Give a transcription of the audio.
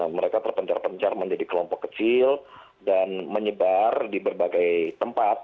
mereka terpencar pencar menjadi kelompok kecil dan menyebar di berbagai tempat